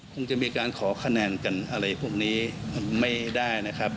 คงจะมีการขอคะแนนกันอะไรพวกนี้ไม่ได้นะครับ